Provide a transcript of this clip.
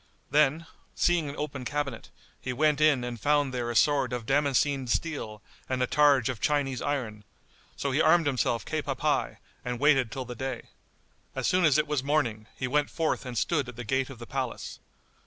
Then, seeing an open cabinet, he went in and found there a sword of damascened[FN#73] steel and a targe of Chinese iron; so he armed himself cap à pie and waited till the day. As soon as it was morning, he went forth and stood at the gate of the palace.